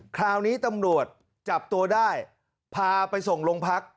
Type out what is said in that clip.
คราวนี้ตำรวจจับตัวได้พาไปส่งโรงพัก